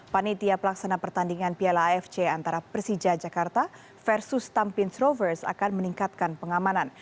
panitia pelaksana pertandingan piala afc antara persija jakarta versus tampin strovers akan meningkatkan pengamanan